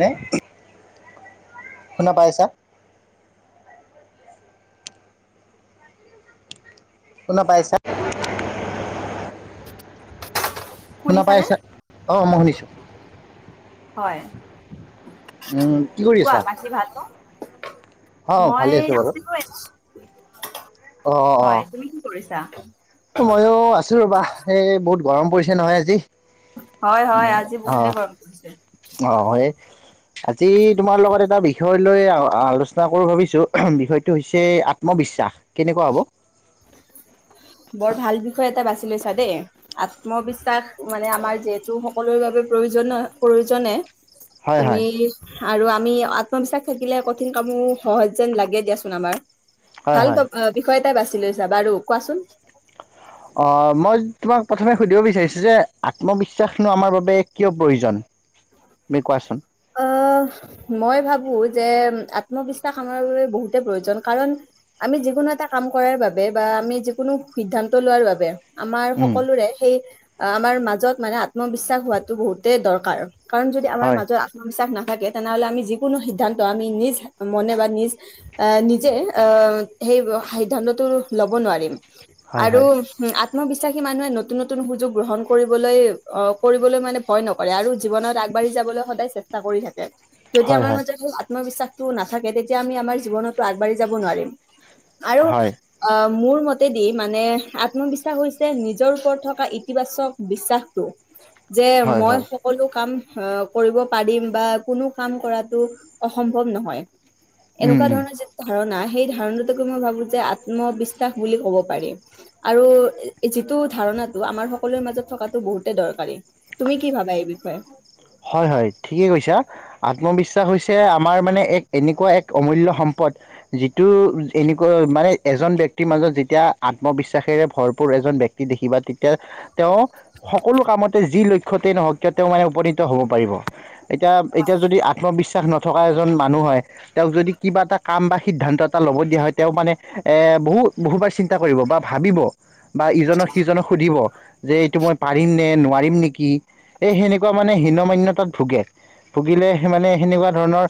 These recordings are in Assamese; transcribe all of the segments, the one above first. নে শুনা পাইছা। শুনা পাইছা। শুনা শুনিছানে? পাইছা অ' মই শুনিছো। হয়। উম, কি কৰি কোৱা আছা? বাকী ভালনে? অ মই ভালে আছো বাৰু আছিলো। হয়, তুমি কি কৰিছা? ময়ো আছো ৰবা এই বহুত গৰম পৰিছে নহয় আজি। হয় হয় আজি বহুতে গৰম পৰিছে। নহয় আজি তোমাৰ লগত এটা বিষয়। লৈ আলোচনা কৰোঁ ভাবিছো বিষয়টো হৈছে আত্মবিশ্বাস কেনেকুৱা হব। বৰ ভাল বিষয় এটা বাছি লৈছা দেই আত্মবিশ্বাস মানে আমাৰ যিহেতু সকলোৰ বাবে প্ৰয়োজন। প্ৰয়োজ নে হয় তুমি, হয় আৰু আমি আত্মবিশ্বাস থাকিলে কঠিন কামো সহজ যেন লাগে দিয়াচোন আমাৰ। হয় ভাল হয় বিষয় এটাই বাছি লৈছা বাৰু কোৱাচোন। অ মই তোমাক প্ৰথমে সুধিব বিচাৰিছো যে আত্মবিশ্বাসনো আমাৰ বাবে কিয় প্ৰয়োজন। তুমি কোৱাচোন। আহ মই ভাবো যে আত্মবিশ্বাস আমাৰ বাবে বহুতে প্ৰয়োজন কাৰণ। আমি যিকোনো এটা কাম কৰাৰ বাবে বা আমি যিকোনো সিদ্ধান্ত লোৱাৰ বাবে। আমাৰ উম সকলোৰে সেই আমাৰ মাজত মানে আত্মবিশ্বাস হোৱাতো বহুতেই দৰকাৰ। কাৰণ যদি আমাৰ হয় মাজত বিশ্বাস নাথাকে তেনেহলে আমি যোনো সিদ্ধান্ত আমি নিজ মনে বা নিজ নিজে এ সিদ্ধান্ত লৱ নোৱাৰি হয় আৰু হয় আত্মবিশ্বাসী মানুহে নতুন নতুন সুযোগ গ্ৰহণ কৰিবলৈ আহ কৰিবলৈ মানে ভয় নকৰে আৰু জীৱনত আগবঢ়ি যাবলৈ সদায় চেষ্টা কৰি থাকে যদি হয় আমাৰ হয় মাজত সেই, আত্মবিশ্বাসটো নাথাকে তেতিয়া আমি আমাৰ জীৱনতো আগবাঢ়ি যাব নোৱাৰিম আৰু হয় অ মোৰ মতেদি মানে আত্মবিশ্বাস হৈছে নিজৰ ওপৰত থকা ইতিবাচক বিশ্বাসটো। যে হয় মই হয় সকলো কাম আহ কৰিব, পাৰিম বা কোনো কাম কৰাতটো অসম্ভৱ নহয় উম এনেকুৱা উম ধৰণৰ যি ধাৰণা। সেই ধাৰণতকে মই ভাবো যে আত্মবিশ্বাস বুলি ক'ব পাৰি আৰু যিটো ধাৰণ নাটো আমাৰ সকলোৰে মাজত থকাটো বহুতে দৰকাৰী তুমি কি ভাবা এই বিষয়ে। হয় হয়। ঠিকে কৈছা আত্মবিশ্বাস হৈছে আমাৰ মানে এক এনেকুৱা এক অমূল্য সম্পদ যিটো। এনেকুৱা মানে এজন ব্যক্তিৰ মাজত যেতিয়া আত্মবিশ্বাসেৰে ভৰপূৰ এজন ব্যক্তি দেখিবা তে এতিয়া তেওঁ সকলো কামতে যি লক্ষতেই নহওক কিয় তেওঁ মানে উপ হ'ব পাৰিব এতিয়া এতিয়া যদি আত্মবিশ্বাস নক থকা এজন মানুহ হয় তেওঁক যদি কিবা এটা কাম বা সিদ্ধান্ত এটা ল'ব দিয়া হয় তেওঁক মানে এ বহুত বহুবাৰ চিন্তা কৰিব বা ভাবিব বা ইজনক সিজনক সুধিব যে এইটো মই পাৰিম নে নোৱাৰিম নেকি এ সেনেকুৱা মানে হীন মান্যতাত ভোগে। ভুগিলে মানে সেনেকুৱা ধৰণৰ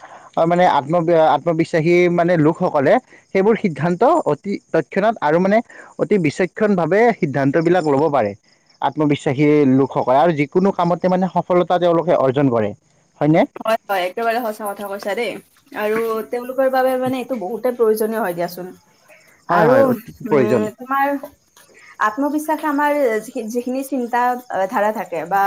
মানে আত্ম আত্মবিশ্বাসী মানে লোকসকলে সেইবোৰ সিদ্ধান্ত অতি তক্ষণাত আৰু মানে অতি বিক্ষ্যণ ভাৱে সিদ্ধান্ত বিলাক ল'ব পাৰে। আত্মবিশ্বাসী লোকসক আৰু যিকোনো কামতে মানে সফলতা তেওঁলোকে অৰ্জন কৰে। হয়নে হয় হয় একেবাৰে সঁচা কথা কৈছা দেই আৰু তেওঁলোক তেওঁলোকৰ বাবে মানে এইটো বহুতেই প্ৰয়োজনীয় হয় দিয়াচোন হয় আৰু হয় অতি উ প্ৰয়োজন তোমাৰ আত্মবিশ্বাসে আমাৰ যিখিনি চিন্তা ধাৰা থাকে বা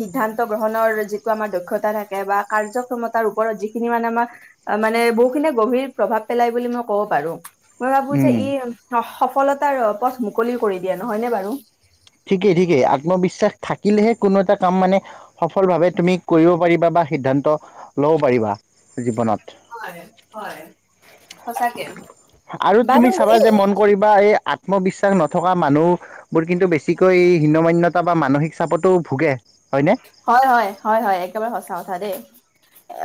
সিদ্ধান্ত গ্ৰহণৰ যিটো আমাৰ দক্ষত থাকে বা কাৰ্যক্ষমতাৰ ওপৰত যিখিনি মানে আমাৰ মানে বহুখিনি গভীৰ প্ৰভাৱ পেলাই বুলি মই ক'ব পাৰো। মই ভাবো যে উম ই সফলতাৰ পথ মুকলি কৰি দিয়ে নহয়নে বাৰু। ঠিকেই ঠিকেই আত্মবিশ্বাস থাকিলেহে কোনো এটা কাম মানে সফল ভাৱে তুমি কৰিব পাৰিবা বা সিদ্ধান্ত ল'ব পাৰিবা জীৱনত। হয় হয় সঁচাকে। আৰু তুমি বাৰু চাবা এই যে মন কৰিবা এই আত ত্মবিশ্বাস নথকা মানুহবোৰ কিন্তু বেছিকৈ হিন্যমান্যতা বা মানসিক চাপতো ভোগে। হয়নে? হয় হয় হয় হয় একেবাৰে সচা কথা দে।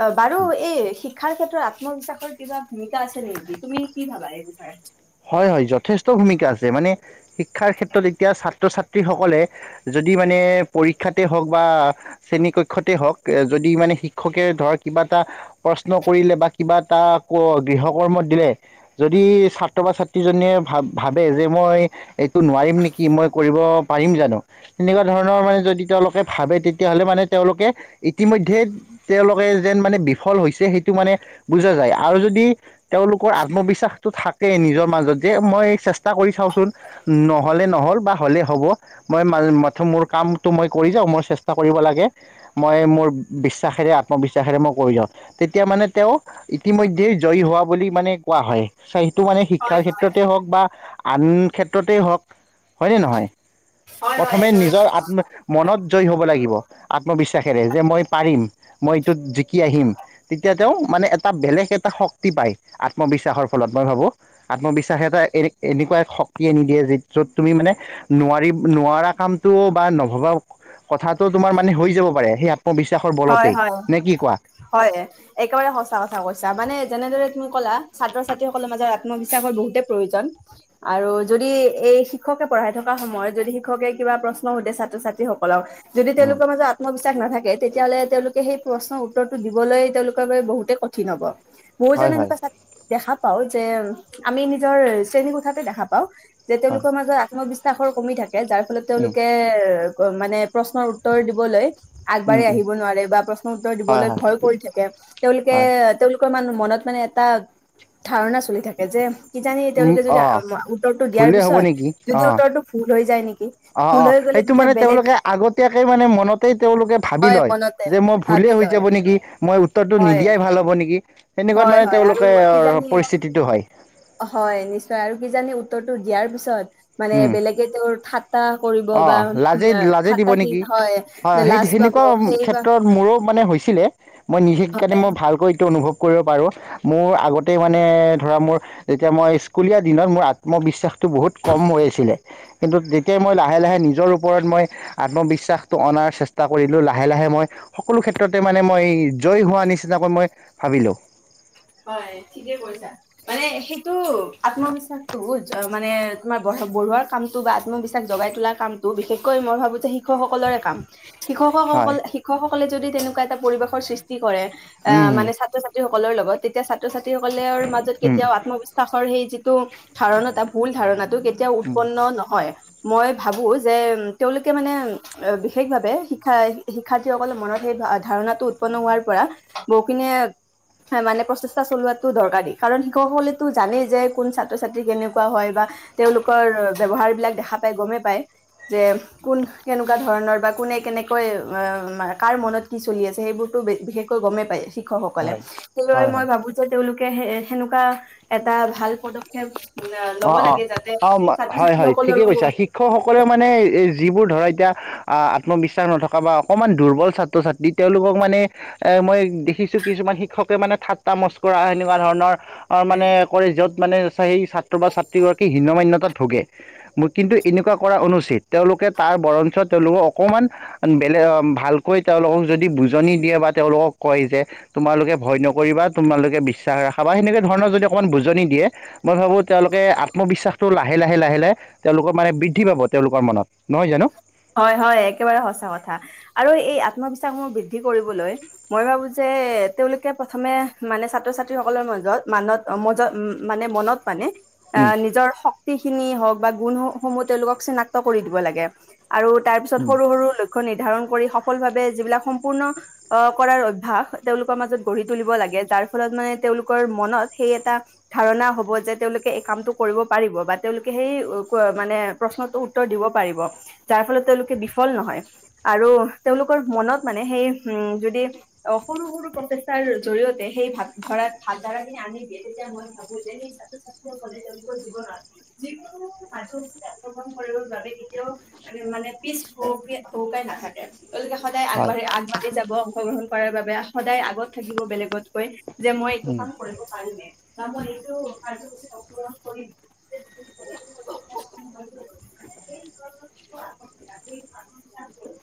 অ বাৰু এই শিক্ষাৰ ক্ষেত্ৰত আত ত্মবিশ্বাসৰ কিবা ভূমিকা আছে নেকি তুমি কি ভাবা এই বিষয়ে। হয়, হয়, যথেষ্ট ভূমিকা আছে। মানে, শিক্ষাৰ ক্ষেত্ৰত এতিয়া, ছাত্ৰ-ছাত্ৰীসকলে, য দি মানে, পৰীক্ষাতে হওঁক বা শ্ৰেণী কক্ষতে হওঁক, যদি মানে, শিক্ষকে ধৰ কিবা যদি এটা প্ৰশ্ন কৰিলে বা কিবা এটা, গৃহ কৰ্ম দিলে, যদি ছা ছাত্ৰ বা ছাত্ৰীজনীয়ে ভা-ভাবে যে, মই এইটো নোৱাৰিম নেকি, মই কৰিব পাৰিম জানোঁ! তেনেকুৱা ধৰণৰ মানে, যদি তেওঁলোকে ভাবে, তেতিয়াহ'লে মানে তেওঁলোকে, ইতিমধ্যে তেওঁলোকে যে, মানে, বিফল হৈছে, সেইটো মানে বুজা যায়। আৰু যদি, তেওঁলোকৰ আত্মবিশ্বাসটো থা কে নিজৰ মাজত যে, মই চেষ্টা কৰি চাওঁচোন! নহ'লে-নহ'ল বা হ'লে হ'ব। মই মা মাথোঁ মোৰ কামটো মই কৰি যাওঁ। মই চেষ্টা কৰিব লাগে, মই মোৰ বিশ্বাসেৰে, আত্মবিশ্বা সেৰে মই কৰি যাওঁ। তেতিয়া মানে, তেওঁ ইতিমধ্যে, জয়ী হোৱা বুলি মানে, কোৱা হয়। [unintelligible] টো মানে শিক্ষাৰ ক্ষেত্ৰতেই হওঁক বা আন ক্ষেত্ৰতে হওঁক, হয় নে নহয়? প্ৰথমে, নিজৰ আত্ম, মনত জয়ী হ'ব লাগিব, আত্মবিশ্বাসেৰে। যে মই পাৰিম! মই এইটোত জিকি আহিম! তেতিয়া, তেওঁ মানে, এটা বেলেগ এটা শক্তি পাই, আত্মবিশ্বাসৰ ফলত। মই ভাবোঁ! আত্মবিশ্বাস এটা এ, এনেকুৱা এক শক্তি আনি দিয়ে যে, য'ত তুমি মানে, নোৱাৰি-নোৱাৰা কামটো বা নভবা কথাটো তোমাৰ মানে, হৈ যাব পাৰে। সেই আত্মবি হয়, হয়, হয়! একেবাৰে সঁচা কথা কৈছা। মানে, যেনেদৰে তুমি ক'লা, ছাত্ৰ-ছাত্ৰীসকলৰ মাজত আত্মবিশ্বাসৰ বহুতে প্ৰয়োজন। আৰু যদি, এই শিক্ষকে পঢ়াই থকা সময়ত, যদি শিক্ষকে প্ৰশ্ন সুধে, ছাত্ৰ-ছাত্ৰীসকলক। যদি, উম তেওঁলোকৰ মাজত আত্মবিশ্বাস নাথাকে, তেতিয়াহ'লে, তেওঁলোকে সেই প্ৰশ্নৰ উত্তৰটো দিবলৈ, তেওঁলোকৰ বাবে বহুতেই কঠিন হ'ব। মইয়ো হয় যেন, হয় এনেকুৱা দেখা পাওঁ যে, আমি নিজৰ শ্ৰেণী কোঠাতে দেখা পাওঁ। যে, হয় তেওঁলোকৰ মাজত আত্মবিশ্বাসৰ কমি থাকে। যাৰ ফলত, উম তেওঁলোকে মানে, প্ৰশ্নৰ উত্তৰ দিবলৈ উম বাৰে উম আহিব নোৱাৰে বা প্ৰশ্ন উত্তৰ হয় দিবলে হয় ভয় কৰি থাকে তেওঁলোকে হয় তেওঁলোকৰ মান মত মানে এটা ধাৰণ চলি থাকে যে কিজানি উম তেওঁলোকে যদি অ উত্তৰটো দিয়াৰ ভুলে হ'ব পিছত নেকি যদি অ উত্তৰটো ভুল হৈ যায় নেকি। অ ভুল অ হৈ গ'লে সেইটো তেতিয়া মানে বেলেগ তেওঁলোকে আগতীয়াকে মানে মনতেই তেওঁলোকে। ভাবি হয় লয় মনতে যে মই ভাবি ভুলেই হৈ লয় যাব নেকি মই উত্তৰটো হয় নিদিয়াই ভাল হব নেকি? তেনেকুৱা হয় মানে হয় আৰু তেওঁলোকে অ কিজানি পৰিস্থিতিটো হয়। হয় নিশ্চয় আৰু কি জানি উত্তৰটো দিয়াৰ পিছত মানে উম, বেলেগে তেওঁৰ থা। অ লাজে লাজে দিব নেকি হয় হয় সেই লাজ পাব সেনেকুৱা সেই বা ক্ষেত্ৰত মোৰো মানে হৈছে। আছিলে মই নিজে কাৰণে মই ভালকৈ এইটো অনুভৱ। কৰিব পাৰোঁ মোৰ আগতেই মানে ধৰা মোৰ যেতিয়া মই স্কুলীয়া দিনত মোৰ আত্মবিশ্বাস। বহুত কম হৈ আছিলে কিন্তু যেতিয়া মই ল। লাহে লাহে নিজৰ ওপৰত মই আত্মবিশ্বাসটো অনাৰ চেষ্টা কৰিলোঁ লাহে লাহে মই সকলো ক্ষেত্ৰতে মই। মে মই জয়ী হ নিচিনাকৈ মই ভাবিলোঁ। হয় ঠিকে কৈছা মানে সেইটো আত্মবিশ্বাসটো মানে তোমাৰ ব। বঢ়োৱাৰ কামটো বা আত্মবিশ্বাস জগাই তোলাৰ কামটো বিশেষকৈ মই ভাবো যে শিক্ষকসকলৰে কাম। হয় শিক্ষকসকল শিক্ষকসকলে যদি তেনেকুৱা এটা পৰিৱেশৰ সৃষ্টি কৰে উম, আহ মানে ছাত্ৰ ছাত্ৰী। সকল লগত তেতিয়া ছাত্ৰ ছাত্ৰীসকলৰ মাজত উম, কেতিয়াও আত্মবিশ্বাসৰ সেই। ধাৰণা ভুল ধাৰণাটো কেতিয়াও উম, উৎপন্ন নহয়। মই ভাবো যে তেওঁলোকে মানে বিশেষভাৱে শিক্ষা শিক্ষাৰ্থীসকলৰ মনত সেই। ধাৰণা টো উৎপন্ন হোৱাৰ পৰা বহু খিনিয়ে মানে পছ চলোৱাটো দৰকাৰ কাৰণ শিক্ষকসকলে জানেই যে কোন ছাত্ৰ ছাত্ৰী কেনেকুৱা হয় বা তেওঁলোকৰ। ব্যৱহাৰ বিাক দেখা প গ যে ক কেনেকুৱা ধৰণৰ বা কোনে কেনেকৈ কাৰ মনত কি চলি আছে সেইবোৰতো বিশেষকৈ গমেই পায় শিক্ষকসকলে হয় সেই হয় হয়। মই ভ। তেওঁলোকে হে সেনেকুৱা এটা ভাল পদক্ষেপ ল'ব অ', অ', লাগে যাতে অ' ছাত্ৰ হয়, হয় ঠিকে কৈছা, ছাত্ৰীসকলৰো শিক্ষকসকলে মানে যিবোৰ ধৰা এতিয়া আত্মবিশ্বাস নথকা বা অকণমান দুৰ্বল ছাত্ৰ ছাত্ৰী তেওঁলোকক মানে এ মই দেখিছোঁ, কিছুমান শিক্ষকে মানে ঠাট্টা মচকৰা সেনেকুৱা ধৰণৰ অ', মানে কৰে য'ত মানে চেই চাক বা ছাত্ৰীগৰাকী হিন্ন মান্যতাত ভোগে, কিন্তু এনেকুৱা কৰা অনুচিত তেওঁলোকে তাৰ বৰঞ্চত তেওঁলোকক অকমান বেলেগ ভালকৈ তেওঁলোকক যদি বুজনি দিয়ে বা, তেওঁলোকক কয় যে তোমালোকে ভয় নকৰিবা, তোমালোকে বিশ্বাস ৰাখা বা সেনেকে ধৰণৰ যদি অকণমান বুজনি দিয়ে মই ভাবোঁ তেওঁলোকে আত্মবিশ্বাসটো লাহে, লাহে, লাহে, লাহে তেওঁলোকৰ মানে বৃদ্ধি পাব তেওঁলোকৰ মনত, নহয় জানো? হয়, হয় একেবাৰে সঁচা কথা আৰু এই আত্মবিশ্বাস সমূহ বৃদ্ধি কৰিবলৈ মই ভাবোঁ যে ৱে, তেওঁলোকে প্ৰথমে মানে ছাত্ৰ ছাত্ৰী সকলৰ মাজত মানত-মজত-মানে মনত মানে আ, উম নিজৰ শক্তিখিনি হওঁক বা গুণসমূহ তেওঁলোকক চিনাক্ত কৰি দিব লাগে। আৰু তাৰ পিছত সৰু, সৰু ল নিৰ্ধাৰণ কৰি সফল ভাৱে যিবিলাক সম্পূৰ্ণ অ', কৰাৰ অভ্যাস তেওঁলোকৰ মাজত গঢ়ি তুলিব লাগ যাৰ ফলত মানে তেওঁলোকৰ মনত সেই এটা ধাৰণা হ'ব যে, তেওঁলোকে এই কামটো কৰিব পাৰিব বা তেওঁলোকে সেই মানে প্ৰশ্নটো উত্তৰ দিব পাৰিব। যাৰ ফলত তেওঁলোকে বিফল নহয়, আৰু তেওঁলোকৰ মনত মানে সেই উম, যদি অ' সৰু, সৰু প্ৰচেষ্টাৰ জৰিয়তে সেই ভাগ ধৰাত, ভাগ ধাৰাখিনি আনি দিয়ে তেতিয়া মই ভাবোঁ যে, সেই ছাত্ৰ [unintelligible] তেওঁলোকৰ জীৱনত যি কোনো কাৰ্য্যসূচী আক্ৰমণ কৰিবৰ বাবে কেতিয়াও মানে পিছ [unintelligible] নাথাকে তেওঁলোকে সদায় হয় আগবাঢ়ি, আগবাঢ়ি যাব, অংশগ্ৰহণ কৰাৰ বাবে সদায় আগত থাকিব বেলেগতকৈ যে, মই এইটো উম কাম কৰিব পাৰিমে। নাই মই এইটো কাৰ্যসূচীত অংশগ্ৰহণ কৰিম‌, [unintelligible]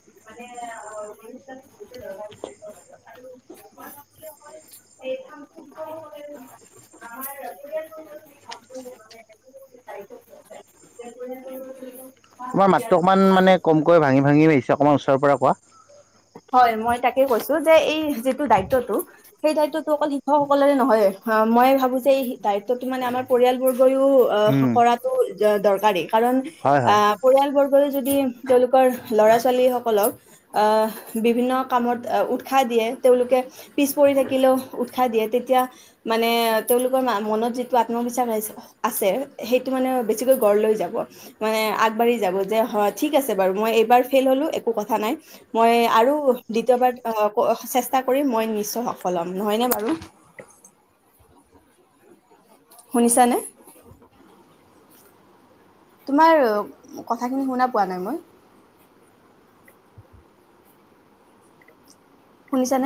[unintelligible] মই ভাবোঁ যে, অকল [unintelligible] [unintelligible] [unintelligible] তোমাৰ মাতটো অকণমান মানে কমকৈ ভাঙি, ভাঙি আহিছে অকণমান ওচৰৰ পৰা কোৱা। হয়, মই তাকে কৈছোঁ যে, এই যিটো দায়িত্বটো সেই দায়িত্বটো অকল শিক্ষক সকলৰে নহয় অ', মই ভাবোঁ যে, এই দায়িত্বটো মানে আমাৰ পৰিয়ালবোৰ উম [unintelligible] কৰাটো দৰকাৰী কাৰণ হয় আ, হয় পৰিয়ালব যদি তেওঁলোকৰ ল'ৰা ছোৱালীসকলক আ বিভিন্ন কামত উৎসাহ দিয়ে, তেওঁলোকে পিছপৰি থাকিলেও উৎসাহ দিয়ে তেতিয়া মানে তেওঁলোকৰ মা-মনত যিটো আত্মবিশ্বাস আছ-আছে সেইটো মানে বেছিকৈ গঢ় লৈ যাব মানে আগবাঢ়ি যাব যে, হয়, ঠিক আছে বাৰু মই এইবাৰ ফেল হ'লো একো কথা নাই মই আৰু দ্বিতীয়বাৰ‌ অ', চেষ্টা কৰি মই নিশ্চয় সফল হ'ম নহয়নে বাৰু? শুনিছানে? তোমাৰ কথাখিনি শুনা পোৱা নাই মই। শুনিছা নে